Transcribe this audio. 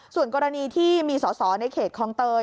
ส่วนกรณีที่มีสอสอในเขตคลองเตย